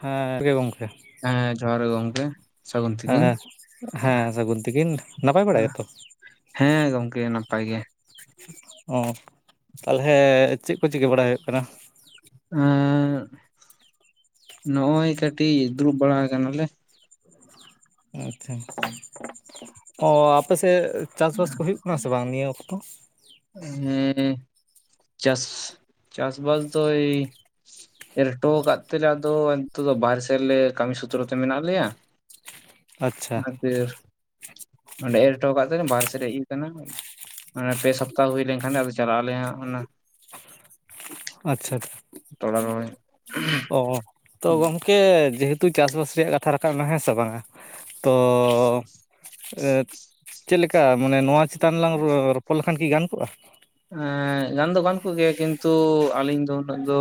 ᱦᱮᱸ [unintelligible] ᱜᱚᱝᱠᱮ ᱦᱮᱸ ᱡᱚᱦᱟᱨ ᱜᱮ ᱜᱚᱝᱠᱮ᱾ ᱥᱟᱹᱜᱩᱱ ᱛᱤᱠᱤᱱ ᱦᱮᱸ ᱦᱮᱸ ᱥᱟᱹᱜᱩᱱ ᱛᱤᱠᱤᱱ, ᱱᱟᱯᱟᱭ ᱵᱟᱲᱟ ᱜᱮᱛᱚ? ᱦᱮᱸ ᱜᱚᱝᱠᱮ ᱱᱟᱯᱟᱭ ᱜᱮ᱾ ᱚ ᱛᱟᱦᱚᱞᱮ ᱪᱮᱠ ᱠᱚ ᱪᱤᱠᱟᱹ ᱵᱟᱲᱟᱭ ᱦᱳᱭᱳᱜ ᱠᱟᱱᱟ? ᱮᱸᱜ ᱱᱚᱜᱼᱚᱭ ᱠᱟᱹᱴᱤᱜ ᱫᱩᱲᱩᱵ ᱵᱟᱲᱟ ᱠᱟᱱᱟᱞᱮ᱾ ᱟᱪᱪᱷᱟ ᱚ ᱟᱯᱮᱥᱮᱜ ᱪᱟᱥ ᱵᱟᱥ ᱠᱚ ᱦᱳᱭᱳᱜ ᱠᱟᱱᱟ ᱥᱮ ᱵᱟᱝ ᱱᱤᱭᱟᱹ ᱚᱠᱛᱚ? ᱦᱮᱸ ᱪᱟᱥ ᱪᱟᱥ ᱵᱟᱥ ᱫᱚᱭ ᱮᱨᱴᱚ ᱠᱟᱫ ᱛᱮᱞᱮ ᱟᱫᱚ ᱱᱤᱛᱚᱜ ᱫᱚ ᱵᱟᱦᱨᱮ ᱥᱮᱜ ᱨᱮᱞᱮ ᱠᱟᱹᱢᱤ ᱥᱩᱛᱨᱚ ᱛᱮ ᱢᱮᱱᱟᱜ ᱞᱮᱭᱟ᱾ ᱟᱪᱪᱷᱟ [unintelligible] ᱚᱸᱰᱮ ᱮᱨ ᱦᱚᱴᱚ ᱠᱟᱫ ᱛᱟᱦᱮᱸᱧ ᱵᱟᱨ ᱥᱮᱫ ᱨᱮ ᱟᱠᱟᱱᱟ ᱢᱟᱱᱮ ᱯᱮ ᱥᱚᱯ ᱛᱟ ᱦᱩᱭ ᱞᱮᱱᱠᱷᱟᱱ ᱟᱫᱚ ᱪᱟᱞᱟᱜ ᱟᱞᱮ ᱦᱟᱸᱜ ᱚᱱᱟ ᱟᱪᱪᱷᱟ ᱟᱪᱪᱷᱟ ᱛᱷᱚᱲᱟ ᱨᱚᱦᱚᱭ ᱚ ᱛᱚ ᱜᱚᱝ ᱠᱮ ᱡᱮᱦᱮᱛᱩ ᱪᱟᱥᱵᱟᱥ ᱨᱮᱭᱟᱜ ᱠᱟᱛᱷᱟ ᱨᱟᱠᱟᱵᱱᱟ ᱦᱮᱸ ᱥᱮ ᱵᱟᱝᱟ ᱛᱚ ᱮ ᱪᱮᱫᱞᱠᱟ ᱢᱟᱱᱮ ᱱᱚᱣᱟ ᱪᱮᱛᱟᱱ ᱨᱮ ᱞᱟᱝ ᱨᱚᱯᱚᱲ ᱞᱮᱠᱷᱟᱱ ᱠᱤ ᱜᱟᱱ ᱠᱚᱜᱼᱟ? ᱮᱸ ᱜᱟᱱ ᱫᱚ ᱜᱟᱱ ᱠᱚᱜᱮᱭᱟ ᱠᱤᱱᱛᱩ ᱟᱹᱞᱤᱧ ᱫᱚ ᱩᱱᱟᱹᱜ ᱫᱚ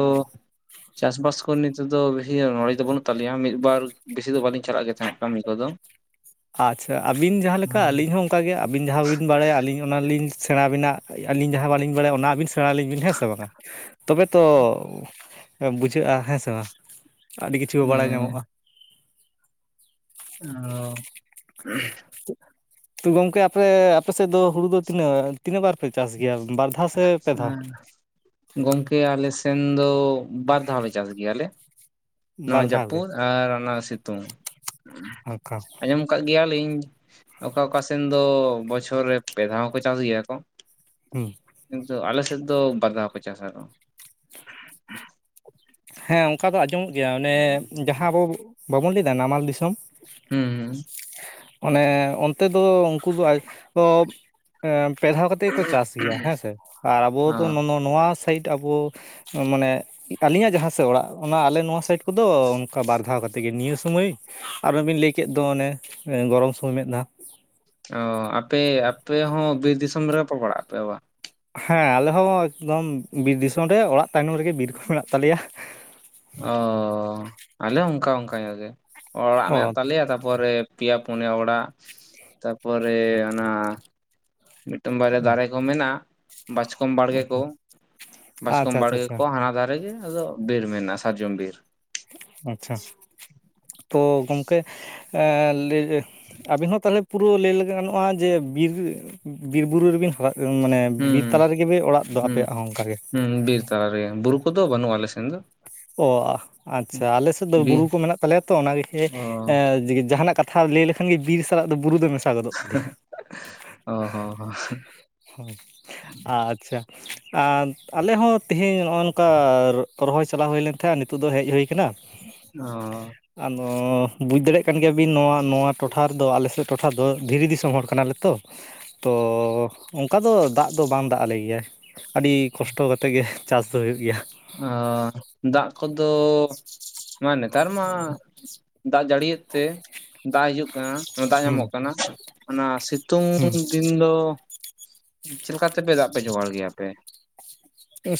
ᱪᱟᱥᱵᱟᱥ ᱠᱚᱨᱮ ᱱᱤᱛᱚᱜ ᱫᱚ ᱵᱮᱥᱤ ᱱᱚᱞᱡᱽ ᱫᱚ ᱵᱟᱹᱱᱩᱜ ᱛᱟᱹᱟᱞᱤᱧᱟ ᱢᱤᱫ ᱵᱟᱨ ᱵᱮᱥᱤ ᱫᱚ ᱵᱟᱟᱹᱞᱤᱧ ᱪᱟᱞᱟᱜ ᱜᱮ ᱛᱟᱦᱮᱸᱫ᱾ ᱠᱟᱹᱢᱤ ᱠᱚᱫᱚ᱾ ᱟᱪᱪᱷᱟ ᱟᱹᱵᱤᱱ ᱡᱟᱦᱟᱸᱞᱮᱠᱟ ᱟᱹᱞᱤᱧ ᱦᱚᱸ ᱚᱱᱠᱟᱜᱮ ᱟᱹᱵᱤᱱ ᱡᱟᱦᱟᱸ ᱵᱤᱱ ᱵᱟᱲᱟᱭᱟ ᱟᱹᱞᱤᱧ ᱚᱱᱟᱞᱤᱧ ᱥᱮᱬᱟᱵᱤᱱᱟ ᱟᱹᱞᱤᱧ ᱡᱟᱦᱟᱸ ᱵᱟᱹᱞᱤᱧ ᱵᱟᱲᱟᱭᱟ ᱚᱱᱟ ᱟᱹᱵᱤᱱ ᱥᱮᱬᱟ ᱟᱹᱞᱤᱧ ᱵᱤᱱ ᱦᱮᱸ ᱥᱮ ᱵᱟᱝᱟ᱾ ᱛᱚᱵᱮ ᱛᱚ ᱵᱩᱡᱷᱟᱹᱜ-ᱟ, ᱦᱮᱸ ᱥᱮ ᱵᱟᱝ ᱟᱹᱰᱤ ᱠᱤᱪᱷᱩ ᱵᱟᱲᱟᱭ ᱦᱮᱸ ᱧᱟᱢᱚᱜ-ᱟ᱾ ᱚ ᱛᱚ ᱜᱚᱝᱠᱮ ᱟᱯᱮ ᱟᱯᱮ ᱥᱮᱫ ᱫᱚ ᱦᱩᱲᱩ ᱫᱚ ᱛᱤᱱᱟᱹᱜ ᱛᱤᱱᱟᱹᱜ ᱵᱟᱨ ᱯᱮ ᱪᱟᱥ ᱜᱮᱭᱟ ᱵᱟᱨ ᱫᱷᱟᱣ ᱥᱮ ᱯᱮ ᱫᱷᱟᱣ ᱦᱮᱸ ᱜᱚᱝᱠᱮ ᱟᱞᱮ ᱥᱮᱱ ᱫᱚ ᱵᱟᱨ ᱫᱷᱟᱣ ᱞᱮ ᱪᱟᱥ ᱜᱮᱭᱟᱞᱮ ᱱᱚᱣᱟ ᱵᱟᱨ ᱫᱷᱟᱣ ᱜᱮ ᱡᱟᱹᱯᱩᱫ ᱟᱨ ᱚᱱᱟ ᱥᱤᱛᱩᱝ ᱚᱱᱠᱟ ᱟᱸᱡᱚᱢ ᱠᱫ ᱜᱮᱭᱟᱞᱤᱧ ᱚᱠᱟ ᱚᱠᱟ ᱥᱮᱱ ᱫᱚ ᱵᱚᱪᱷᱚᱨ ᱨᱮ ᱯᱮ ᱫᱷᱟᱣ ᱦᱚᱸ ᱠᱚ ᱪᱟᱥ ᱜᱮᱭᱟ ᱠᱚ ᱦᱩᱸ ᱠᱤᱱᱛᱩ ᱟᱞ ᱥᱮᱫ ᱫᱚ ᱵᱟᱨᱫᱷᱟᱣ ᱠᱚ ᱪᱟᱥᱟ ᱦᱮᱸ ᱚᱱᱠᱟ ᱫᱚ ᱟᱸᱡᱚᱢᱚᱜ ᱜᱮᱭᱟ ᱚᱱᱮ ᱡᱟᱦᱟᱸ ᱟᱵᱚ ᱵᱟᱵᱚᱱ ᱞᱟᱹᱭ ᱮᱫᱟ ᱱᱟᱢᱟᱞ ᱫᱤᱥᱚᱢ ᱦᱩᱸ ᱦᱩᱸ ᱚᱱᱮ ᱚᱱᱛᱮ ᱫᱚ ᱩᱱᱠᱩ ᱫᱚ ᱯᱮ ᱫᱷᱟᱣ ᱠᱟᱛᱮ ᱜᱮ ᱠᱚ ᱪᱟᱥ ᱜᱮᱭᱟ ᱦᱮᱸ ᱥᱮ ᱟᱨ ᱟᱵᱚ ᱚ ᱫᱚ ᱱᱚᱣᱟ ᱥᱟᱭᱤᱰ ᱟᱵᱚ ᱢᱟᱱᱮ ᱟᱞᱤᱧᱟᱜ ᱡᱟᱦᱟᱸ ᱥᱮᱫ ᱚᱲᱟᱜ ᱚᱱᱟ ᱟᱞᱮ ᱱᱚᱣᱟ ᱥᱟᱭᱤᱰ ᱠᱚᱫᱚ ᱚᱱᱠᱟ ᱵᱟᱨ ᱫᱷᱟᱣ ᱠᱟᱛᱮ ᱛᱮᱜᱮ ᱱᱤᱭᱟᱹ ᱥᱳᱢᱚᱭ ᱟᱨᱚᱚᱵᱤᱱ ᱞᱟᱹᱭ ᱠᱮᱫ ᱫᱚ ᱚᱱᱮ ᱜᱚᱨᱚᱢ ᱥᱳᱢᱚᱭ ᱢᱤᱫ ᱫᱟᱣ ᱚᱻ ᱟᱯᱮ ᱟᱯᱮ ᱦᱚᱸ ᱵᱤᱨ ᱫᱤᱥᱚᱢ ᱨᱮᱜᱮ ᱯᱚ ᱯᱲᱟᱜ ᱟ ᱯᱮ ᱵᱟ ᱦᱮᱸ ᱟᱞᱮ ᱦᱚᱸ ᱮᱠᱫᱚᱢ ᱵᱤᱨ ᱫᱤᱥᱚᱢ ᱨᱮ ᱚᱲᱟᱜ ᱛᱟᱭᱱᱚᱢ ᱨᱮᱜᱮ ᱵᱤᱨ ᱠᱚ ᱢᱮᱱᱟᱜ ᱛᱟᱞᱮᱭᱟ ᱚ ᱟᱞᱮ ᱚᱱᱠᱟ ᱚᱱᱠᱟ ᱧᱚ ᱜᱮ ᱚᱲᱟᱜ ᱚ ᱢᱮᱱᱟᱜ ᱛᱟᱞᱮᱭᱟ ᱛᱟᱯᱚᱨᱮ ᱯᱭᱟ ᱯᱩᱱᱤᱭᱟ ᱚᱲᱟ ᱛᱟᱨᱯᱚᱨᱮ ᱚᱱᱟ ᱢᱤᱫᱴᱟᱝ ᱵᱟᱨᱭᱟ ᱫᱟᱨᱮ ᱠᱚ ᱢᱮᱱᱟᱜ-ᱟ ᱵᱟᱪᱠᱚᱢ ᱵᱟᱲᱜᱮ ᱠᱚ ᱵᱟᱪᱠᱚᱢ ᱟᱪᱪᱷᱟ ᱟᱪᱪᱷᱟ ᱵᱟᱲᱜᱮ ᱟᱪᱪᱷᱟ ᱠᱚ ᱦᱟᱱᱟ ᱫᱷᱟᱨᱮᱜ ᱜᱮ ᱟᱫᱚ ᱵᱤᱨ ᱢᱮᱱᱟ ᱥᱟᱨᱡᱚᱢ ᱵᱤᱨ ᱟᱪᱪᱷᱟ ᱛᱚ ᱜᱚᱝᱠᱮ ᱞᱟᱹᱭ ᱟᱹᱵᱤᱱ ᱦᱚᱸ ᱛᱟᱦᱚᱞᱮ ᱯᱩᱨᱟᱹ ᱞᱟᱹᱭ ᱞᱮᱜᱟ ᱜᱟᱱᱚᱜ-ᱟ ᱡᱮ ᱵᱤᱨ ᱵᱤᱨᱵᱩᱨᱩ ᱨᱮᱵᱤᱱ ᱢᱟᱱᱮ ᱵᱤᱨ ᱦᱩᱸ ᱛᱟᱞᱟ ᱨᱮᱜᱮ ᱯᱮ ᱚᱲᱟᱜ ᱫᱚ ᱦᱩᱸ ᱟᱯᱮᱭᱟᱜ ᱦᱚᱸ ᱚᱱᱠᱟᱜᱮ ᱦᱩᱸ ᱵᱤᱨᱤ ᱛᱟᱞᱟ ᱨᱮᱜᱮ ᱵᱩᱨᱠᱩ ᱫᱚ ᱵᱟᱹᱱᱩᱜ ᱟ ᱟᱞᱮ ᱥᱮᱱ ᱫᱚ ᱚ ᱟᱪᱪᱷᱟ ᱟᱞᱮ ᱥᱮᱫ ᱫᱚ ᱵᱤᱨ ᱵᱩᱨᱩ ᱠᱚ ᱢᱮᱱᱟᱜ ᱛᱟᱞᱮᱭᱟ ᱛᱚ ᱚᱱᱟᱜ ᱚ ᱡᱟᱦᱟᱱᱟᱜ ᱠᱟᱛᱷᱟ ᱛᱷᱟᱨ ᱞᱟᱹᱭ ᱞᱮᱠᱷᱟᱱ ᱵᱤᱨ ᱥᱟᱞᱟᱜ ᱫᱚ ᱵᱩᱨᱩ ᱫᱚ ᱢᱮᱥ-ᱟ ᱜᱚᱫᱚᱜ ᱛᱟᱞᱮᱭᱟ ᱚ ᱦᱚᱸ ᱟᱪᱪᱷᱟ ᱟᱨ ᱟᱞᱮ ᱦᱚᱸ ᱛᱮᱦᱤᱧ ᱱᱚᱜ-ᱚᱭ ᱱᱚᱝᱠᱟ ᱨᱚᱦᱚᱭ ᱪᱟᱞᱟᱣ ᱦᱩᱭ ᱞᱮᱱ ᱛᱟᱦᱮᱸᱜ ᱱᱤᱛᱚᱜ ᱫᱚ ᱦᱮᱡ ᱦᱩᱭ ᱟᱠᱟᱱᱟ ᱚ ᱟᱫᱚ ᱵᱩᱡᱽ ᱫᱟᱲᱮᱭᱟᱜ ᱠᱟᱱ ᱜᱮᱭᱟᱵᱤᱱ ᱱᱚᱣᱟ ᱱᱚᱣᱟ ᱴᱚᱴᱷᱟ ᱨᱮᱫᱚ ᱟᱞᱮ ᱥᱮᱫ ᱴᱚᱴᱷᱟ ᱫᱚ ᱫᱷᱤᱨᱤ ᱫᱤᱥᱚᱢ ᱦᱚᱲ ᱠᱟᱱᱟᱞᱮ ᱛᱚ ᱛᱚ ᱚᱱᱠᱟ ᱫᱚ ᱫᱟᱜ ᱫᱚ ᱵᱟᱝ ᱫᱟᱜ ᱟᱞᱮ ᱜᱮᱭᱟᱭ ᱟᱹᱰᱤ ᱠᱚᱥᱴᱚ ᱠᱟᱛᱮᱫ ᱜᱮ ᱪᱟᱥ ᱫᱚ ᱦᱩᱭᱩᱜ ᱜᱮᱭᱟ ᱚ ᱫᱟᱜ ᱠᱚᱫᱚ ᱢᱟᱱᱮ ᱱᱮᱛᱟᱨ ᱢᱟ ᱫᱟᱜ ᱡᱟᱹᱲᱤᱭᱮᱫ ᱛᱮ ᱫᱟᱜ ᱦᱤᱡᱩᱜ ᱠᱟᱱᱟ ᱫᱟᱜ ᱦᱩᱸ ᱧᱟᱢᱚᱜ ᱠᱟᱱᱟ ᱚᱱᱟ ᱥᱤᱛᱩᱝ ᱦᱩᱸ ᱫᱤᱱ ᱤᱧ [unintelligible] ᱫᱚ ᱪᱮᱫ ᱞᱮᱠᱟᱛᱮᱯᱮ ᱫᱟᱜ ᱯᱮ ᱡᱚᱜᱟᱲ ᱜᱮᱭᱟ ᱯᱮ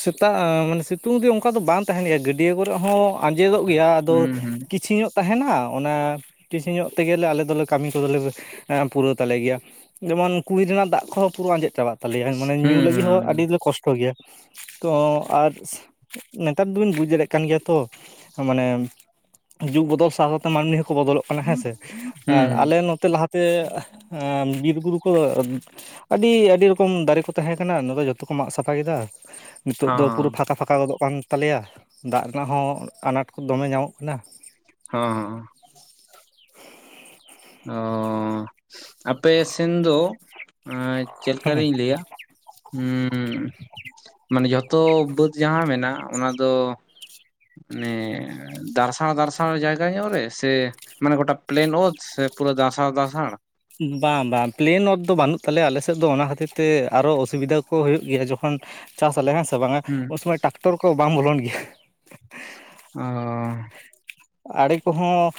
ᱥᱮᱛᱟᱜ ᱢᱟᱱᱮ ᱥᱤᱛᱩᱝ ᱫᱤᱱ ᱚᱱᱠᱟ ᱫᱚ ᱵᱟᱝ ᱛᱟᱦᱮᱸᱱ ᱜᱮᱭᱟ ᱜᱟᱹᱰᱭᱟᱹ ᱠᱚᱨᱮᱜ ᱦᱚᱸ ᱟᱸᱡᱮᱫᱚᱜ ᱜᱮᱭᱟ ᱟᱫᱚ ᱦᱩᱸ ᱦᱩᱸ ᱠᱤᱪᱷᱤ ᱧᱚᱜ ᱛᱟᱦᱮᱸᱱᱟ ᱚᱱᱟ ᱴᱤᱥᱤ ᱧᱚᱜ ᱛᱮᱜᱮᱞᱮ ᱟᱞᱮ ᱫᱚᱞᱮ ᱠᱟᱹᱢᱤ ᱠᱚᱫᱚᱞᱮ ᱯᱩᱨᱟᱹᱣ ᱛᱟᱞᱮ ᱜᱮᱭᱟ ᱡᱮᱢᱚᱱ ᱠᱩᱧ ᱨᱮᱱᱟᱜ ᱫᱟᱜ ᱠᱚᱦᱚᱸ ᱯᱩᱨᱟᱹ ᱟᱸᱡᱮᱫ ᱪᱟᱵᱟᱜ ᱛᱟᱞᱮᱭᱟ ᱢᱟᱱᱮ ᱧᱩ ᱦᱩᱸ ᱞᱟᱹᱜᱤᱫ ᱦᱩᱸ ᱦᱚᱸ ᱟᱹᱰᱤᱞᱮ ᱠᱚᱥᱴᱚ ᱜᱮᱭᱟ ᱛᱚ ᱟᱨ ᱱᱮᱛᱟᱨ ᱫᱚᱵᱤᱱ ᱵᱩᱡᱽ ᱫᱟᱲᱮᱭᱟᱜ ᱠᱟᱱ ᱜᱮᱭᱟ ᱛᱚ ᱢᱟᱱᱮ ᱡᱩᱜᱽ ᱵᱚᱫᱚᱞ ᱥᱟᱶ ᱥᱟᱶᱛᱮ ᱢᱟᱹᱱᱢᱤ ᱦᱚᱸᱠᱚ ᱵᱚᱫᱚᱞᱚᱜ ᱠᱟᱱᱟ ᱦᱮᱸᱥᱮ ᱦᱩᱸ ᱦᱩᱸ ᱟᱨ ᱟᱞᱮ ᱱᱚᱛᱮ ᱞᱟᱦᱟ ᱛᱮ ᱮᱸ ᱵᱤᱨ ᱵᱩᱨᱩ ᱠᱚᱫᱚ ᱟᱹᱰᱤ ᱟᱹᱰᱤ ᱨᱚᱠᱚᱢ ᱫᱟᱨᱮ ᱠᱚ ᱛᱟᱦᱮᱸ ᱠᱟᱱᱟ ᱱᱚᱫᱚ ᱡᱚᱛᱚ ᱠᱚ ᱢᱟᱜ ᱥᱟᱯᱷᱟ ᱠᱮᱫᱟ ᱱᱤᱛᱳᱜ ᱫᱚ ᱯᱩᱨᱟᱹ ᱦᱚᱸ ᱯᱷᱟᱸᱠᱟ ᱯᱷᱟᱸᱠᱟ ᱜᱚᱫᱚᱜ ᱠᱟᱱ ᱛᱟᱞᱮᱭᱟ ᱫᱟᱜ ᱨᱮᱱᱟᱜ ᱦᱚᱸ ᱟᱱᱟᱴ ᱠᱚ ᱫᱚᱢᱮ ᱧᱟᱢᱚᱜ ᱠᱟᱱᱟ ᱦᱚᱸᱻ ᱚᱻ ᱟᱯᱮ ᱥᱮᱱ ᱫᱚ ᱪᱮᱫᱠᱟᱨᱤᱧ ᱞᱟᱹᱭᱟ ᱚᱸᱻ ᱢᱟᱱᱮ ᱡᱦᱚᱛᱚ ᱵᱟᱹᱫᱽ ᱡᱟᱦᱟᱸ ᱢᱮᱱᱟᱜ-ᱟ ᱚᱱᱟ ᱫᱚ ᱢᱟᱱᱮ ᱫᱟᱨᱥᱟᱶ ᱫᱟᱨᱥᱟᱶ ᱡᱟᱭᱜᱟ ᱧᱚᱜ ᱨᱮ ᱥᱮ ᱢᱟᱱᱮ ᱜᱚᱴᱟ ᱯᱮᱞᱮᱱ ᱚᱛ ᱥᱮ ᱯᱩᱨᱟᱹ ᱫᱟᱥᱟᱶ ᱫᱟᱸᱥᱟᱲ? ᱵᱟᱝ ᱵᱟᱝ ᱯᱮᱞᱮᱱ ᱚᱛ ᱫᱚ ᱵᱟᱹᱱᱩᱜ ᱛᱟᱞᱮᱭᱟ ᱟᱞᱮ ᱥᱮᱫ ᱫᱚ ᱚᱱᱟ ᱠᱷᱟᱹᱛᱤᱨ ᱛᱮ ᱟᱨᱚ ᱚᱥᱩᱵᱤᱫᱷᱟ ᱠᱚ ᱦᱩᱭᱩᱜ ᱜᱮᱭᱟ ᱡᱚᱠᱷᱚᱱ ᱪᱟᱥ ᱟᱞᱮ ᱦᱮᱸ ᱥᱮ ᱵᱟᱝᱟ ᱦᱩᱸ ᱩᱱ ᱥᱚᱢᱚᱭ ᱴᱟᱠᱴᱚᱨ ᱠᱚ ᱵᱟᱝ ᱵᱚᱞᱚᱱ ᱜᱮᱭᱟ ᱚ ᱟᱲᱮ ᱠᱚᱦᱚᱸ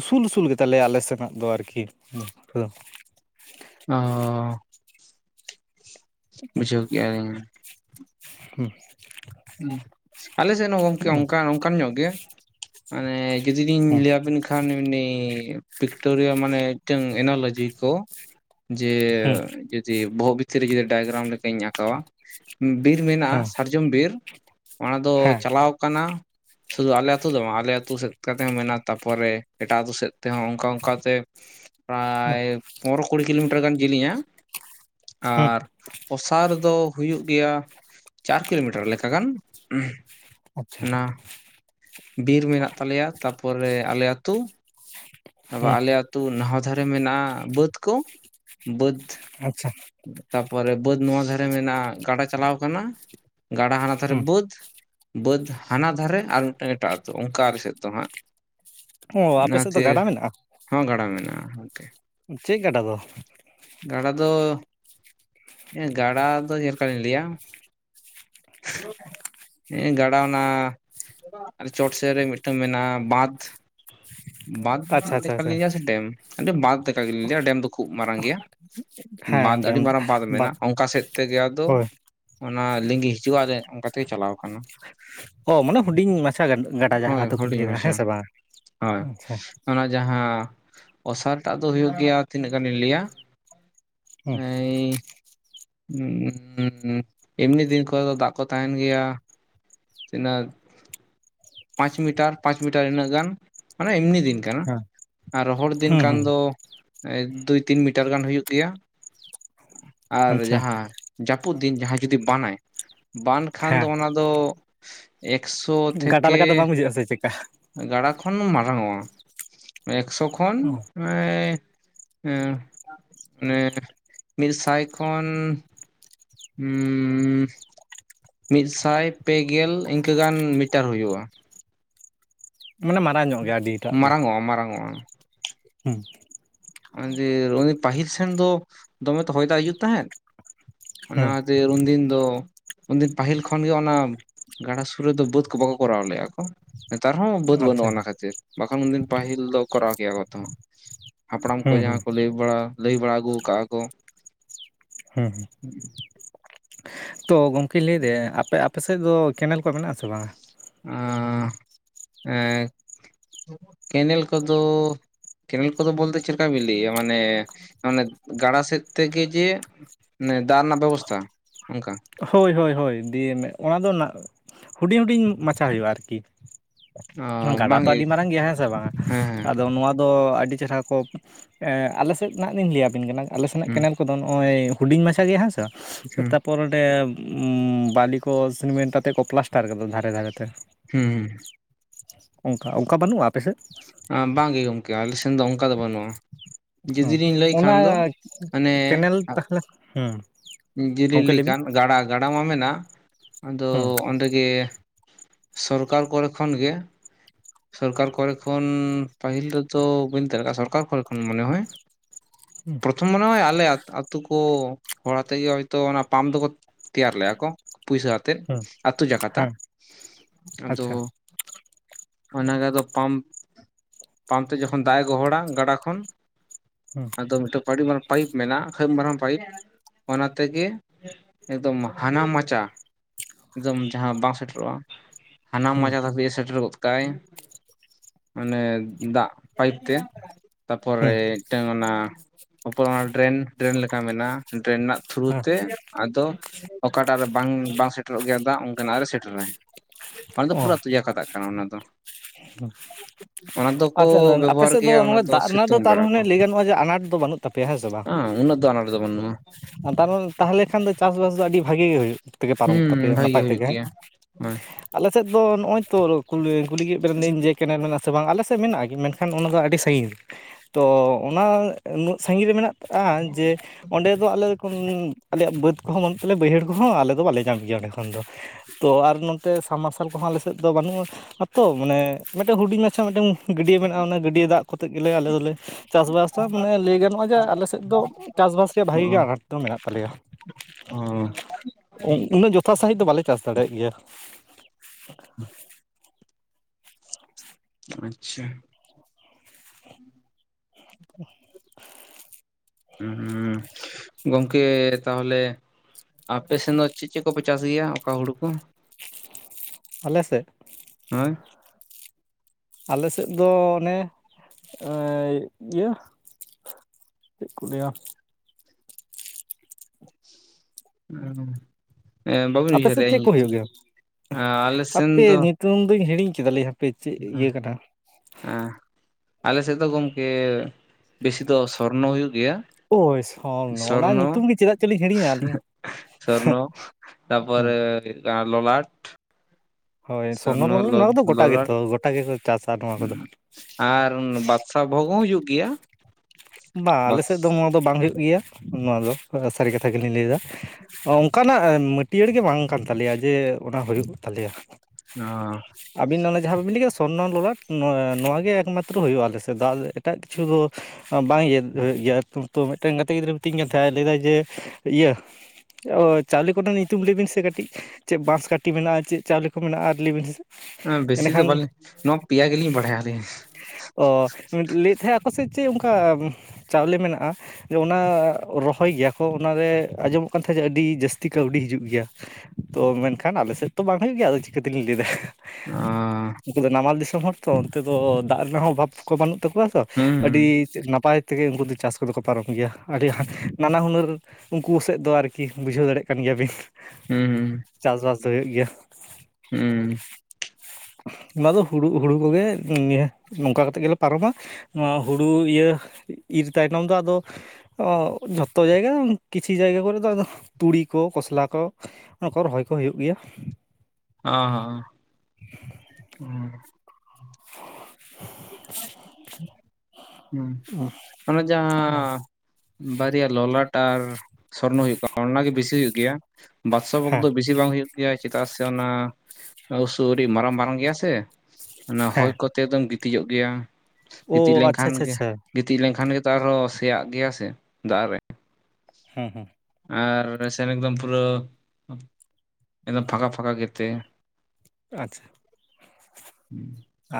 ᱩᱥᱩᱞ ᱩᱥᱩᱞ ᱜᱮᱛᱟᱞᱮᱭᱟ ᱟᱞᱮ ᱥᱮᱱᱟᱜ ᱫᱚ ᱟᱨᱠᱤ ᱚᱸ [inaudible] ᱵᱩᱡᱷᱟᱹᱣ ᱠᱮᱜᱼᱟᱞᱤᱧ ᱦᱩᱸ ᱟᱞᱮ ᱥᱮᱫ ᱦᱚᱸ ᱜᱚᱝᱠᱮ ᱦᱩᱸ ᱚᱱᱠᱟ ᱚᱝᱠᱟᱱ ᱧᱚᱜ ᱜᱮᱭᱟ ᱢᱟᱱᱮ ᱡᱩᱫᱤ ᱞᱤᱧ ᱦᱮᱸ ᱞᱟᱹᱭᱟᱵᱤᱱ ᱠᱷᱟ ᱠᱷᱟᱱ ᱩᱱᱤ ᱯᱤᱠᱴᱚᱨᱤᱭᱟ ᱢᱟᱱᱮ ᱢᱤᱫᱴᱤᱝ ᱮᱱᱳᱞᱳᱡᱤ ᱠᱚ ᱡᱮ ᱡᱩᱫᱤ ᱵᱚᱦᱚᱜ ᱵᱷᱤᱛᱤᱨ ᱡᱩᱫᱤ ᱰᱟᱭᱟᱜᱨᱟᱢ ᱠᱚ ᱛᱤᱧ ᱟᱸᱠᱟᱠᱟᱣ-ᱟ ᱵᱤᱨ ᱦᱮᱸ ᱢᱮᱱᱟᱜᱼᱟ ᱥᱟᱨᱡᱚᱢ ᱵᱤᱨ ᱚᱱᱟ ᱫᱚ ᱪᱟᱞᱟᱣ ᱠᱟᱱᱟ ᱥᱩᱫᱷᱩ ᱟᱞᱮ ᱟᱹᱛᱩ ᱫᱚ ᱵᱟᱝ ᱟᱞᱮ ᱟᱹᱛᱩ ᱥᱮᱫ ᱠᱟᱛᱮ ᱦᱚᱸ ᱢᱮᱱᱟᱜᱼᱟ ᱛᱟᱯᱚᱨᱮ ᱮᱴᱟᱜ ᱟᱹᱛᱩ ᱥᱮᱫ ᱛᱮᱦᱚᱸ ᱚᱝᱠᱟ ᱚᱝᱠᱟᱛᱮ ᱦᱩᱸ ᱯᱨᱟᱭ ᱯᱚᱸᱨᱨᱚ ᱠᱩᱲᱤ ᱠᱤᱞᱳᱢᱤᱴᱟᱨ ᱜᱟᱱ ᱡᱮᱞᱤᱧᱟ ᱦᱩᱸ, ᱟᱨ ᱚᱥᱟᱨ ᱫᱚ ᱦᱩᱭᱩᱜ ᱜᱮᱭᱟ ᱪᱟᱨ ᱠᱤᱞᱳᱢᱤᱴᱟᱨ ᱞᱮᱠᱟ ᱜᱟᱱ ᱟᱪᱪᱷᱟ ᱚᱱᱟ ᱵᱤᱨ ᱢᱮᱱᱟᱜ ᱛᱟᱞᱮᱭᱟ ᱛᱟᱯᱚᱨᱮ ᱟᱞᱮ ᱟᱹᱛᱩ ᱟ ᱦᱩᱸ ᱟᱞᱮ ᱟ ᱟᱹᱛᱩᱳ ᱱᱟᱦᱟ ᱫᱷᱟᱨᱮ ᱢᱮᱱᱟᱜᱼᱟ ᱵᱟᱹᱫᱽ ᱠᱚ ᱵᱟᱹᱫᱽ ᱟᱪᱪᱷᱟ ᱛᱟᱯᱚᱨᱮ ᱵᱟᱹᱫ ᱱᱚᱣᱟ ᱫᱷᱟᱨᱮ ᱢᱮᱱᱟᱜᱼᱟ ᱜᱟᱰᱟ ᱪᱟᱞᱟᱣ ᱠᱟᱱᱟ ᱜᱟᱰᱟ ᱦᱟᱱᱟ ᱫᱷᱟᱨᱮ ᱦᱩᱸ ᱵᱟᱹᱫᱽ ᱵᱟᱹᱫᱽ ᱦᱟᱱᱟ ᱫᱷᱟᱨᱮ ᱟᱨ ᱢᱤᱫᱴᱟᱱ ᱮᱴᱟᱜ ᱟᱹᱛᱩᱳ ᱚᱱᱠᱟ ᱟᱞᱮ ᱥᱮᱫ ᱫᱚ ᱦᱟᱸᱜ ᱚ ᱟᱯᱮ ᱥᱮᱫ ᱫᱚ ᱚᱱᱟᱛᱤᱨ ᱜᱟᱰᱟ ᱢᱮᱱᱟᱜᱼᱟ ᱦᱚᱸ ᱜᱟᱰᱟ ᱢᱮᱱᱟᱜᱼᱟ ᱪᱮᱜ ᱜᱟᱰᱟ ᱫᱚ? ᱜᱟᱰᱟ ᱫᱚ ᱜᱟᱰᱟ ᱫᱚ ᱪᱮᱫᱠᱟ ᱞᱤᱧ ᱞᱟᱹᱭᱟ ᱦᱸᱮᱜ -ᱮ ᱜᱟᱰᱟ ᱚᱱᱟ ᱟᱨ ᱪᱚᱴ ᱥᱮᱫ ᱨᱮ ᱢᱤᱜᱴᱟᱝ ᱢᱮᱱᱟᱜᱼᱟ ᱵᱟᱸᱫᱷ ᱵᱟᱸᱫᱷ ᱟᱪᱪᱷᱟ ᱟᱪᱪᱷᱟ ᱞᱮᱠᱟ ᱟᱪᱪᱷᱟ [unintelligible] ᱰᱮᱢ ᱵᱟᱸᱫᱷ ᱞᱮᱠᱟ ᱜᱮᱞᱤᱧ ᱞᱟᱹᱭᱟ ᱰᱮᱢ ᱫᱚ ᱠᱷᱩᱵ ᱢᱟᱨᱟᱝ ᱜᱮᱭᱟ ᱦᱮᱸ ᱵᱟᱸᱫᱷ ᱟᱹᱰᱤ ᱰᱮᱢ ᱢᱟᱨᱟᱝ ᱵᱟᱸᱫᱷ ᱵᱟᱸᱫ ᱢᱮᱱᱟᱜᱼᱟ ᱚᱝᱠᱟ ᱥᱮᱫ ᱛᱮᱜᱮ ᱟᱫᱚ ᱦᱳᱭ ᱚᱱᱟ ᱞᱤᱸᱜᱤ ᱦᱤᱡᱩᱜᱼᱟ ᱟᱞᱮᱭᱟᱜ ᱚᱝᱠᱟ ᱛᱮᱜᱮ ᱪᱟᱞᱟᱣ ᱠᱟᱱᱟ ᱳ ᱢᱟᱱᱮ ᱦᱩᱰᱤᱧ ᱢᱟᱪᱷᱟ ᱜᱟᱰᱟ ᱦᱳᱭ ᱡᱟᱦᱟᱸᱫᱚᱠᱚ ᱦᱩᱰᱤᱧ ᱞᱟᱹᱭᱫᱟ ᱦᱮᱸ ᱢᱟᱪᱷᱟ ᱥᱮ ᱵᱟᱝ, ᱦᱳᱭ ᱟᱪᱪᱷᱟ ᱚᱱᱟ ᱡᱟᱦᱟᱸ ᱚᱥᱟᱨ ᱴᱟᱜ ᱫᱚ ᱦᱩᱭᱩᱜ ᱜᱮᱭᱟ ᱛᱤᱱᱟᱹᱜ ᱜᱟᱱᱤᱧ ᱞᱟᱹᱭᱟ ᱦᱩᱸ ᱮᱸᱭᱻ [unintelligible] ᱮᱢᱱᱤ ᱫᱤᱱ ᱠᱚᱨᱮ ᱫᱚ ᱫᱟᱜ ᱠᱚ ᱛᱟᱦᱮᱸᱱ ᱜᱮᱭᱟ ᱛᱤᱱᱟᱹᱜ ᱯᱟᱸᱪ ᱢᱤᱴᱟᱨ ᱯᱟᱸᱪ ᱢᱤᱴᱟᱨ ᱤᱱᱟᱹᱜ ᱜᱟᱱ ᱢᱟᱱᱮ ᱮᱢᱱᱤ ᱫᱤᱱ ᱠᱟᱱᱟ ᱦᱮᱸ ᱟᱨ ᱨᱚᱦᱚᱲ ᱫᱤᱱ ᱦᱩᱸ ᱠᱟᱱ ᱦᱩᱸ ᱫᱚ ᱫᱩᱭ ᱛᱤᱱ ᱢᱤᱴᱟᱨ ᱜᱟᱱ ᱦᱩᱭᱩᱜ ᱜᱮᱭᱟ ᱟᱨ ᱟᱪᱪᱷᱟ ᱡᱟᱦᱟᱸ ᱡᱟᱹᱯᱩᱫ ᱫᱤᱱ ᱡᱟᱦᱟᱸ ᱡᱩᱫᱤ ᱵᱟᱱᱟᱭ ᱵᱟᱱ ᱠᱷᱟᱱ ᱦᱮᱸ ᱚᱱᱟ ᱫᱚ ᱮᱠᱥᱚ ᱛᱷᱮᱠᱮ ᱪᱩᱜ ᱟᱥᱮ ᱪᱮᱠᱟ? ᱜᱟᱲᱟ ᱠᱷᱚᱱ ᱢᱟᱨᱟᱲᱟᱝᱚᱜᱼᱟ ᱮᱠᱥᱚ ᱠᱷᱚᱱ ᱚ, ᱮᱭ ᱮᱸ ᱮᱸ ᱢᱤᱫ ᱥᱟᱭ ᱠᱷᱚᱱ ᱢᱤᱫᱥᱟᱭ ᱯᱮᱜᱮᱞ ᱤᱱᱠᱟᱹ ᱜᱟᱱ ᱢᱤᱴᱟᱨ ᱦᱩᱭᱩᱜᱼᱟ ᱢᱟᱱᱮ ᱢᱟᱨᱟᱝ ᱧᱚᱜ ᱜᱮᱭᱟ ᱟᱹᱰᱤᱴᱟᱜ ᱜᱮ ᱢᱟᱨᱟᱝᱚᱜᱼᱟ ᱢᱟᱨᱟᱝᱚᱜᱼᱟ ᱦᱩᱸ ᱟᱸ ᱡᱮ ᱩᱱᱤ ᱯᱟᱹᱦᱤᱞ ᱥᱮᱱ ᱫᱚ ᱫᱚᱢᱮ ᱛᱚ ᱦᱚᱭ ᱫᱟᱜ ᱦᱤᱡᱩᱜ ᱛᱟᱦᱮᱸᱫ ᱚᱱᱟ ᱦᱩᱸ ᱫᱮ ᱟᱨ ᱩᱱᱫᱤᱱ ᱫᱚ ᱩᱱᱫᱤᱱ ᱯᱟᱹᱦᱤᱞ ᱠᱷᱚᱱᱜᱮ ᱚᱱᱟ ᱜᱟᱰᱟ ᱥᱩᱨ ᱨᱮᱫᱚ ᱵᱟᱹᱫᱽ ᱠᱚ ᱵᱟᱠᱚ ᱠᱚᱨᱟᱣ ᱞᱮᱜᱼᱟ ᱠᱚ ᱦᱸᱮᱛᱟᱨ ᱦᱚᱸ ᱵᱟᱹᱫ ᱟᱪᱪᱷᱟ ᱵᱟᱹᱱᱩᱜᱼᱟ ᱚᱱᱟ ᱠᱷᱟᱹᱛᱤᱨ ᱵᱟᱠᱷᱟᱱ ᱩᱱᱫᱤᱱ ᱯᱟᱹᱦᱤᱞ ᱫᱚ ᱠᱚᱨᱟᱣ ᱜᱮᱭᱟ ᱠᱚᱛᱚ ᱦᱟᱯᱲᱟᱢ ᱠᱚ ᱦᱩᱸ ᱦᱩᱸ ᱡᱟᱦᱟᱸ ᱠᱚ ᱞᱟᱹᱭ ᱵᱟᱲᱟ ᱞᱟᱹᱭ ᱵᱟᱲᱟ ᱟᱹᱜᱩ ᱠᱟᱜᱼᱟ ᱠᱚ ᱦᱮᱸ [inaudible] ᱛᱚ ᱜᱚᱢᱠᱮᱧ ᱞᱟᱹᱭᱮᱴᱫᱟ ᱟᱯᱮ ᱟᱯᱮ ᱥᱮᱫ ᱫᱚ ᱠᱮᱱᱮᱞ ᱠᱚᱣᱟᱜ ᱢᱮᱱᱟᱜᱼᱟ ᱥᱮ ᱵᱟᱝᱟ [unintelligible] ᱠᱮᱱᱮᱞ ᱠᱚᱫᱚ ᱠᱮᱱᱮᱞ ᱠᱚᱫᱚ ᱵᱚᱞᱛᱮ ᱪᱮᱫ ᱞᱮᱠᱟ ᱵᱤᱞᱤᱭᱟ ᱢᱟᱱᱮ ᱢᱟᱱᱮ ᱜᱟᱰᱟ ᱥᱮᱫ ᱛᱮᱜᱮ ᱡᱮ ᱱᱮ ᱫᱟᱜ ᱨᱮᱱᱟᱜ ᱵᱮᱵᱚᱥᱛᱷᱟ ᱚᱱᱠᱟ ᱦᱳᱭ ᱦᱳᱭ ᱦᱳᱭ ᱫᱤᱭᱮᱢ ᱚᱱᱟ ᱫᱚ ᱦᱩᱰᱤᱧ ᱦᱩᱰᱤᱧ ᱢᱟᱪᱷᱟ ᱦᱩᱭᱩᱜᱼᱟ ᱟᱨᱠᱤ ᱜᱟᱰᱟ ᱵᱟᱝ ᱛᱚ ᱜᱮ ᱟᱹᱰᱤ ᱢᱟᱨᱟᱝ ᱜᱮᱭᱟ ᱦᱮᱸ ᱥᱮ ᱵᱟᱝ-ᱟ ᱦᱮᱸ ᱦᱮᱸ ᱟᱫᱚ ᱱᱚᱣᱟ ᱫᱚ ᱟᱹᱰᱤ ᱪᱮᱨᱦᱨᱟ [unintelligible] ᱟᱞᱮᱥᱮᱫ ᱦᱟᱜ ᱞᱤᱧ ᱞᱟᱹᱭᱟᱵᱤᱱ ᱠᱟᱱᱟ ᱟᱞᱮ ᱥᱮᱱᱟᱜ ᱦᱩᱸ ᱠᱮᱱᱮᱞ ᱠᱚᱫᱚ ᱱᱚᱜᱼᱚᱭ ᱦᱩᱰᱤᱧ ᱢᱟᱪᱷᱟ ᱜᱮ ᱦᱮᱸ ᱥᱮ ᱦᱩᱸ ᱛᱟᱯᱚᱨ ᱚᱸᱰᱮ ᱵᱟᱞᱤ ᱠᱚ ᱥᱤᱢᱮᱱᱴ ᱟᱛᱮᱫ ᱠᱚ ᱯᱞᱟᱥᱴᱟᱨ ᱠᱟᱫᱟ ᱫᱷᱟᱨᱮ ᱫᱷᱟᱨᱮ ᱛᱮ ᱦᱩᱸᱻ ᱚᱱᱠᱟ ᱚᱱᱠᱟ ᱵᱟᱹᱱᱩᱜᱼᱟ ᱟᱯᱮ ᱥᱮᱫ ᱮ ᱵᱟᱝᱜ ᱜᱮ ᱜᱚᱢᱠᱮ ᱟᱞᱮ ᱥᱮᱱ ᱫᱚ ᱚᱱᱠᱟ ᱫᱚ ᱵᱟᱹᱱᱩᱜᱼᱟ ᱦᱮᱸ ᱡᱩᱫᱤ ᱞᱤᱧ ᱞᱟᱹᱭ ᱚᱱᱟ ᱠᱷᱟᱱ ᱫᱚ ᱠᱮᱱᱮᱞ ᱛᱟᱦᱞᱮ ᱦᱮᱸ ᱡᱮᱞᱮ ᱜᱚᱢᱠᱮ ᱞᱟᱹᱭ ᱵᱤᱱ ᱞᱮᱠᱟᱱ ᱜᱟᱰᱟ ᱜᱟᱰᱟ ᱢᱟ ᱢᱮᱱᱟᱜ ᱟᱫᱚ ᱦᱮᱸ ᱚᱸᱰᱮᱜᱮ ᱥᱚᱨᱠᱟᱨ ᱠᱚᱨᱮ ᱠᱷᱚᱱ ᱜᱮ [inaudible] ᱥᱚᱨᱠᱟᱨ ᱠᱚᱨᱮ ᱮᱠᱷᱚᱱ ᱯᱟᱹᱦᱤᱞ ᱨᱮᱫᱚ ᱵᱟᱹᱧ ᱫᱟᱲᱮ ᱠᱼᱟ ᱥᱚᱨᱠᱟᱨ ᱠᱚ ᱠᱷᱚᱱ ᱢᱚᱱᱮ ᱦᱚᱭ [inaudible] ᱯᱨᱚᱛᱷᱚᱢ ᱢᱟᱱᱮ ᱟᱞᱮᱟᱛᱳ ᱠᱚ ᱦᱚᱲᱟ ᱛᱮᱜᱮ ᱦᱚᱭᱛᱚ ᱚᱱᱟ ᱯᱟᱢ ᱫᱚᱠᱚ ᱛᱮᱭᱟᱨ ᱞᱮᱫᱼᱟ ᱠᱚ ᱯᱩᱭᱥᱟᱹ ᱟᱛᱮᱫ ᱦᱮᱸ ᱟᱛᱳ ᱡᱟᱠᱟᱛᱟᱜ ᱦᱮᱸ ᱟᱫᱚ ᱟᱪᱪᱷᱟ [inaudible] ᱚᱱᱟ ᱜᱮ ᱟᱫᱚ ᱯᱟᱢ ᱯᱟᱢᱯ ᱛᱮ ᱡᱚᱠᱷᱚᱱ ᱫᱟᱜ ᱮ ᱜᱚᱦᱚᱲᱟ ᱜᱟᱰᱟ ᱠᱷᱚᱱ [unintelligible] ᱟᱫᱚ ᱢᱤᱫᱴᱟᱝ ᱯᱟᱭᱤᱯ ᱢᱮᱱᱟᱜᱼᱟ ᱠᱷᱳᱹᱡ ᱢᱟᱨᱟᱝ ᱯᱟᱭᱤᱯ ᱚᱱᱟ ᱛᱮᱜᱮ ᱮᱠᱫᱚᱢ ᱦᱟᱱᱟ ᱢᱟᱪᱟ ᱮᱠᱫᱚᱢ ᱡᱟᱦᱟᱸ ᱵᱟᱝ ᱥᱮᱴᱮᱨᱚᱜᱼᱟ ᱦᱟᱱᱟ ᱦᱮᱸ ᱢᱟᱡᱟ ᱫᱷᱟᱹᱵᱤᱡᱼᱮ ᱥᱮᱴᱮᱨ ᱜᱚᱫ ᱠᱟᱜᱟᱭ ᱟᱱᱮ ᱫᱟᱜ ᱯᱟᱭᱤᱯ ᱛᱮ ᱛᱟᱯᱚᱨᱮ ᱦᱮᱸ ᱢᱤᱫᱴᱟᱝ ᱚᱱᱟ ᱩᱯᱚᱨ ᱚᱱᱟ ᱰᱨᱮᱹᱱ ᱰᱨᱮᱹᱱ ᱞᱮᱠᱟ ᱢᱮᱱᱟᱜᱼᱟ ᱰᱨᱮᱹᱱ ᱨᱮᱱᱟᱜ ᱛᱷᱨᱩ ᱦᱮᱸ ᱛᱮ ᱟᱫᱚ ᱚᱠᱟᱴᱟᱜ ᱨᱮ ᱵᱟᱝ ᱵᱟᱝ ᱥᱮᱴᱮᱨᱚᱜ ᱜᱮᱭᱟ ᱫᱟᱜ ᱚᱱᱠᱟᱱᱟᱜ ᱨᱮ ᱥᱮᱴᱮᱨᱟᱭ ᱚᱱᱟᱞᱮ ᱫᱚ ᱚ ᱯᱩᱨᱟᱹ [unintelligible] ᱟᱜ ᱠᱟᱱᱟ ᱚᱱᱟ ᱫᱚ [inaudible] [inaudible] ᱫᱚᱠᱚ ᱟᱪᱪᱷᱟ ᱟᱯᱮ ᱵᱮᱵᱚᱦᱟᱨ ᱥᱮᱫ ᱫᱚ ᱜᱮᱭᱟ ᱱᱚ ᱚᱱᱟ ᱫᱟᱜ ᱨᱮᱱᱟᱜ ᱫᱚ ᱥᱤᱛᱩᱝ ᱵᱮᱲᱟ ᱛᱟᱨᱚᱢᱟᱱᱮ ᱠᱚ ᱞᱟᱹᱭ ᱜᱟᱱᱚᱜᱼᱟ ᱡᱮ ᱟᱱᱟᱴ ᱫᱚ ᱵᱟᱹᱱᱩᱜ ᱛᱟᱱᱟ ᱛᱟᱯᱮᱭᱟ ᱦᱮᱸ ᱥᱮ ᱵᱟᱝ ᱩᱱᱟᱹᱜ ᱫᱚ ᱟᱱᱟᱴ ᱫᱚ ᱵᱟᱹᱱᱩᱜᱼᱟ ᱟᱨ ᱛᱟᱦᱚᱞᱮ ᱠᱷᱟᱱ ᱫᱚ ᱪᱟᱥ ᱵᱟᱟᱥ ᱫᱚ ᱟᱹᱰᱤ ᱵᱷᱟᱜᱤ ᱜᱮ ᱦᱩᱭᱩᱜᱼᱟ ᱛᱮᱜᱮ ᱯᱟᱨᱚᱢᱚᱜ ᱦᱩᱸ ᱛᱟᱯᱮᱭᱟ ᱵᱷᱟᱜᱮ ᱱᱟᱯᱟᱭ ᱦᱩᱭᱩᱜ ᱛᱮᱜᱮ ᱦᱟᱸ ᱜᱮᱭᱟ ᱦᱮᱸ ᱟᱞᱮᱥᱮᱫ ᱫᱚ ᱱᱚᱜᱼᱚᱭ ᱛᱚ ᱠᱩᱞᱤ ᱠᱮᱫ ᱵᱮᱱᱟᱧ ᱡᱮ ᱠᱮᱱᱮᱞ ᱢᱮᱱᱟᱜᱼᱟ ᱥᱮ ᱵᱟᱝ ᱟᱞᱮ ᱥᱮᱫ ᱢᱮᱱᱟᱜ ᱢᱮᱱᱠᱷᱟᱱ ᱚᱱᱟ ᱫᱚ ᱟᱹᱰᱤ ᱥᱟᱺᱜᱤᱧ ᱛᱚ ᱚᱱᱟ ᱩᱱᱟᱹᱜ ᱥᱟᱺᱜᱤᱧ ᱨᱮ ᱢᱮᱱᱟᱜ-ᱟ ᱡᱮ ᱚᱸᱰᱮ ᱫᱚ ᱟᱞᱮ ᱩᱻ ᱟᱞᱮᱭᱟᱜ ᱵᱟᱹᱫᱽ ᱠᱚᱦᱚᱸ ᱢᱚᱱᱛᱮᱟᱞᱮ ᱵᱟᱹᱭᱦᱟᱹᱲ ᱠᱚᱦᱚᱸ ᱟᱞᱮ ᱫᱚ ᱵᱟᱞᱮ ᱪᱟᱥ ᱜᱮᱭᱟ ᱚᱸᱰᱮ ᱠᱷᱚᱱ ᱫᱚ ᱛᱚ ᱟᱨ ᱱᱚᱛᱮ ᱥᱟᱢᱟᱨᱥᱟᱞ ᱠᱚᱦᱚᱸ ᱟᱞᱮ ᱥᱮᱫ ᱫᱚ ᱵᱟᱹᱱᱩᱜᱼᱟ ᱛᱚ ᱢᱟᱱᱮ ᱢᱮᱴᱮᱝ ᱦᱩᱰᱤᱧ ᱢᱟᱪᱷᱟ ᱢᱮᱴᱟᱝ ᱜᱟᱹᱰᱭᱟᱹ ᱢᱮᱱᱟᱜᱼᱟ ᱚᱱᱟ ᱜᱟᱹᱰᱭᱟᱹ ᱫᱟᱜ ᱠᱚᱛᱮᱫ ᱜᱮᱞᱮ ᱟᱞᱮᱫ ᱫᱚᱞᱮ ᱪᱟᱥ ᱵᱟᱥᱟ ᱢᱟᱱᱮ ᱞᱟᱹᱭ ᱜᱟᱱᱚᱜᱼᱟ ᱡᱮ ᱟᱞᱮᱥᱮᱫ ᱫᱚ ᱪᱟᱥ ᱵᱟᱥ ᱨᱮᱭᱟᱜ ᱵᱷᱟᱜᱮ ᱟᱱᱟᱴ ᱢᱮᱱᱟᱜ ᱛᱟᱞᱮᱭᱟ ᱚ ᱩᱱᱟᱹᱜ ᱡᱚᱛᱷᱟᱛ ᱥᱟᱺᱦᱤᱡ ᱫᱚ ᱵᱟᱞᱮ ᱪᱟᱥ ᱫᱟᱲᱮᱭᱟᱜ ᱜᱮᱭᱟ [inaudible] ᱟᱪᱪᱷᱟ [inaudible] ᱩᱸᱩᱸ ᱜᱚᱝᱠᱮ ᱛᱟᱦᱚᱞᱮ ᱟᱯᱮ ᱥᱮᱱ ᱫᱚ ᱪᱮᱫ ᱪᱮᱫ ᱠᱚᱯᱮ ᱪᱟᱥ ᱜᱮᱭᱟ ᱚᱠᱟ ᱦᱩᱲᱩ ᱠᱚ ᱟᱞᱮ ᱥᱮᱫ [unintelligible] ᱟᱞᱮ ᱥᱮᱫ ᱫᱚ ᱚᱱᱮ ᱤᱭᱟᱹ ᱪᱤᱠᱩ ᱞᱟᱭᱟ [inaudible] ᱵᱟᱹᱵᱤᱱ ᱟᱯᱮ ᱥᱮᱫ ᱩᱭᱦᱟᱹᱨᱮᱜᱼᱟ ᱤᱧ ᱪᱮᱫ ᱠᱚ ᱦᱩᱭᱩᱜ ᱧᱩᱛᱩᱢ ᱜᱮᱭᱟ ᱟᱞᱮ ᱥᱮᱱ ᱦᱟᱯᱮ ᱫᱚ ᱧᱩᱛᱩᱢ ᱫᱚᱩᱧ ᱦᱤᱲᱤᱧ ᱠᱮᱫᱟᱞᱤᱧ ᱦᱟᱯᱮ ᱪᱮᱫ ᱤᱭᱟᱹ ᱠᱟᱱᱟ ᱟ ᱟᱞᱮ ᱥᱮᱫ ᱫᱚ ᱜᱚᱝᱠᱮ ᱵᱮᱥᱤ ᱫᱚ ᱥᱚᱨᱱᱚ ᱦᱩᱭᱩᱜ ᱜᱮᱭᱟ ᱳᱭ ᱚᱱᱟ ᱥᱚᱨᱱᱚ ᱧᱩᱛᱩᱢ ᱜᱮ ᱪᱮᱫᱟᱜ ᱪᱚᱞᱤᱧ ᱦᱤᱲᱤᱧᱟ ᱟᱹᱞᱤᱧ ᱥᱚᱨᱱᱚ ᱦᱩᱸ ᱛᱟᱯᱚᱨᱮ ᱞᱚᱞᱟᱴ ᱦᱳᱭ ᱥᱚᱨᱱᱚ ᱱᱚᱣᱟ ᱠᱚᱫᱚ ᱜᱚᱴᱟ ᱞᱚᱞᱟᱴ ᱜᱮᱛᱚ ᱜᱚᱴᱟ ᱜᱮᱠᱚ ᱪᱟᱥᱟ ᱱᱚᱣᱟ ᱠᱚᱫᱚ ᱟᱨ ᱵᱟᱫᱥᱟ ᱵᱷᱳᱜᱽ ᱦᱚᱸ ᱦᱩᱭᱩᱜ ᱜᱮᱭᱟ ᱵᱟᱝ ᱟᱞᱮ ᱵᱟᱫ ᱥᱮᱫ ᱫᱚ ᱱᱚᱣᱟ ᱫᱚ ᱵᱟᱝ ᱦᱩᱭᱩᱜ ᱜᱮᱭᱟ ᱱᱚᱣᱟ ᱫᱚ ᱥᱟᱹᱨᱤ ᱠᱟᱛᱷᱟ ᱜᱮᱞᱤᱧ ᱞᱟᱹᱭᱫᱟ ᱚᱱᱠᱟᱱᱟᱜ ᱢᱟᱹᱴᱭᱟᱹᱲ ᱜᱮ ᱵᱟᱝ ᱠᱟᱱ ᱛᱟᱞᱮᱭᱟ ᱡᱮ ᱚᱱᱟ ᱦᱩᱭᱩᱜ ᱛᱟᱞᱮᱭᱟ ᱚᱻ ᱟᱹᱵᱤᱱ ᱚᱱᱮ ᱡᱟᱦᱟᱸ ᱵᱟᱵᱤᱱ ᱞᱟᱹᱭ ᱠᱮᱫᱟ ᱥᱚᱨᱱᱚ ᱞᱚᱞᱟᱴ ᱱᱚᱣᱟ ᱜᱮ ᱮᱠᱢᱟᱛᱨᱚ ᱦᱩᱭᱩᱜᱼᱟ ᱟᱞᱮᱥᱮᱫ ᱫᱚ ᱮᱴᱟᱜ ᱠᱤᱪᱷᱩ ᱫᱚ ᱵᱟᱝ ᱤᱭᱟᱹ ᱛᱚ ᱢᱤᱫᱴᱮᱱ ᱜᱟᱛᱮ ᱜᱤᱫᱽᱨᱟᱹ ᱢᱤᱛᱟᱹᱧ ᱠᱟᱱ ᱛᱟᱦᱮᱸ ᱞᱟᱹᱭᱫᱟᱭ ᱡᱮ ᱤᱭᱟᱹ ᱚᱻ ᱪᱟᱣᱞᱮ ᱠᱚᱴᱟ ᱧᱩᱛᱩᱢ ᱞᱟᱹᱭᱵᱤᱱ ᱥᱮ ᱠᱟᱹᱴᱤᱡ ᱪᱮᱫ ᱵᱟᱸᱥ ᱠᱟᱹᱴᱤ ᱢᱮᱱᱟᱜᱼᱟ ᱪᱮᱫ ᱪᱟᱣᱞᱮ ᱠᱚ ᱢᱮᱱᱟᱜᱼᱟ ᱟᱨ ᱞᱟᱹᱭ ᱵᱤᱱ ᱥᱮ ᱮ ᱵᱮᱥᱤ ᱫᱚ ᱮᱸᱰᱮᱠᱷᱟᱱ ᱵᱟᱞᱤᱧ ᱱᱚᱣᱟ ᱯᱮᱭᱟ ᱜᱮᱞᱤᱧ ᱵᱟᱲᱟᱭᱟ ᱟᱹᱞᱤᱧ ᱚᱻ ᱞᱟᱹᱭᱮᱫ ᱛᱟᱦᱮᱸᱜ ᱟᱠᱚ ᱥᱮᱫ ᱪᱮᱫ ᱚᱱᱠᱟ ᱪᱟᱣᱞᱮ ᱢᱮᱱᱟᱜᱼᱟ ᱚᱱᱟ ᱨᱚᱦᱚᱭ ᱜᱮᱭᱟ ᱠᱚ ᱚᱱᱟᱨᱮ ᱟᱸᱡᱚᱢᱚᱜ ᱠᱟᱱ ᱛᱟᱦᱮᱸ ᱡᱮ ᱟᱹᱰᱤ ᱡᱟᱹᱥᱛᱤ ᱠᱟᱹᱣᱰᱤ ᱦᱤᱡᱩᱜ ᱜᱮᱭᱟ ᱛᱚ ᱢᱮᱱᱠᱷᱟᱱ ᱟᱞᱮ ᱥᱮᱫ ᱛᱚ ᱵᱟᱝ ᱦᱩᱭᱩᱜ ᱜᱮᱭᱟ ᱟᱫᱚ ᱪᱤᱠᱟᱹ ᱛᱮᱞᱤᱧ ᱞᱟᱹᱭᱫ ᱟᱻ ᱩᱱᱠᱩ ᱫᱚ ᱱᱟᱢᱟᱞ ᱫᱤᱥᱚᱢ ᱦᱚᱲ ᱛᱚ ᱚᱱᱛᱮ ᱫᱚ ᱫᱟᱜ ᱨᱮᱱᱟᱜ ᱦᱚᱸ ᱚᱵᱷᱟᱵᱽ ᱠᱚ ᱵᱟᱹᱱᱩᱜ ᱛᱟᱠᱚᱣᱟ ᱛᱚ ᱦᱩᱸ ᱟᱹᱰᱤ ᱱᱟᱯᱟᱭ ᱛᱮᱜᱮ ᱩᱱᱠᱩ ᱫᱚ ᱪᱟᱥ ᱠᱚᱫᱚ ᱠᱚ ᱯᱟᱨᱚᱢ ᱜᱮᱭᱟ ᱟᱹᱰᱤ ᱱᱟᱱᱟ ᱦᱩᱱᱟᱹᱨ ᱩᱱᱠᱩ ᱥᱮᱫ ᱫᱚ ᱟᱨᱠᱤ ᱵᱩᱡᱷᱟᱹᱣ ᱫᱟᱲᱮᱭᱟᱜ ᱠᱟᱱ ᱜᱮᱭᱟ ᱵᱤᱱ ᱦᱩᱸ ᱦᱩᱸ ᱪᱟᱥ ᱵᱟᱥ ᱫᱚ ᱦᱩᱭᱩᱜ ᱜᱮᱭᱟ ᱦᱩᱸᱻ ᱚᱱᱟ ᱫᱚ ᱦᱩᱲᱩ ᱦᱩᱲᱩ ᱠᱚᱜᱮ ᱱᱚᱝᱠᱟ ᱠᱟᱛᱮ ᱜᱮᱞᱮ ᱯᱟᱨᱚᱢᱟ ᱱᱚᱣᱟ ᱦᱩᱲᱩ ᱤᱭᱟᱹ ᱤᱨ ᱛᱟᱭᱱᱚᱢ ᱫᱚ ᱟᱫᱚ ᱡᱚᱛᱚ ᱡᱟᱭᱜᱟ ᱠᱤᱪᱷᱤ ᱡᱟᱭᱜᱟ ᱠᱚᱨᱮ ᱫᱚ ᱟᱫᱚ ᱛᱩᱲᱤ ᱠᱚ ᱠᱚᱥᱞᱟ ᱠᱚ ᱱᱚᱶᱟ ᱠᱚ ᱨᱚᱦᱚᱭ ᱠᱚ ᱦᱩᱭᱩᱜ ᱜᱮᱭᱟ ᱚ ᱦᱚ ᱦᱩ ᱢᱟᱱᱮ ᱡᱟᱦᱟᱸ ᱵᱟᱨᱭᱟ ᱞᱚᱞᱟᱴ ᱟᱨ ᱥᱚᱨᱱᱚ ᱦᱩᱭᱩᱜᱼᱟ ᱚᱱᱟᱜᱮ ᱵᱮᱥᱤ ᱦᱩᱭᱩᱜ ᱜᱮᱭᱟ ᱵᱟᱫᱥᱚ ᱵᱷᱚᱠ ᱦᱮᱸ ᱫᱚ ᱵᱤᱥ ᱥᱤ ᱵᱟᱝ ᱦᱩᱭᱩᱜ ᱜᱮᱭᱟ ᱪᱮᱫᱟᱜ ᱥᱮ ᱚᱱᱟ ᱩᱥᱩ ᱟᱹᱰᱤ ᱢᱟᱨᱟᱝ ᱢᱟᱨᱟᱝ ᱜᱮᱭᱟ ᱥᱮ ᱚᱱᱟ ᱦᱚᱭ ᱦᱮᱸ ᱠᱚᱛᱮ ᱫᱚᱢ ᱜᱤᱛᱤᱡᱚᱜ ᱜᱮᱭᱟ ᱳ ᱜᱤᱛᱤᱡ ᱟᱪᱪᱷᱟ ᱞᱮᱱᱠᱷᱟᱱ ᱟᱪᱪᱷᱟ ᱜᱮ ᱟᱪᱪᱷᱟ ᱜᱤᱛᱤᱡ ᱞᱮᱱᱠᱷᱟᱱ ᱜᱮᱛᱚ ᱟᱨᱦᱚᱸ ᱥᱮᱭᱟᱜ ᱜᱮᱭᱟ ᱥᱮ ᱫᱟᱜᱽ ᱨᱮ ᱦᱮᱸ ᱦᱮᱸ ᱟᱨ ᱨᱮᱥᱮᱱ ᱮᱠᱫᱚᱢ ᱯᱩᱨᱟᱹ ᱮᱠᱫᱚᱢ ᱯᱷᱟᱸᱠᱟ ᱯᱷᱟᱸᱠᱟ ᱜᱮᱛᱮ ᱟᱪᱪᱷᱟ ᱦᱮᱸ